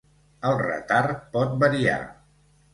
El retard pot variar.